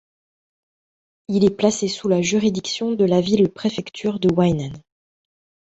Il est placé sous la juridiction de la ville-préfecture de Huainan.